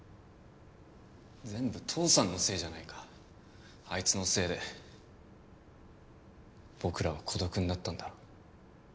全部父さんのせいじゃないかあいつのせいで僕らは孤独になったんだ